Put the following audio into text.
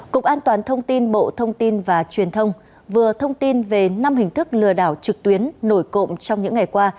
cục an toàn thông tin bộ thông tin và truyền thông vừa thông tin về năm hình thức lừa đảo trực tuyến nổi cộng trong những ngày qua